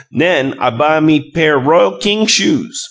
'Nen I buy me pair Royal King shoes.